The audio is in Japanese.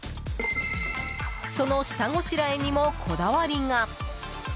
その下ごしらえにも、こだわりが。